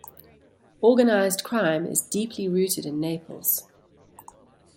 Organised crime is deeply rooted in Naples.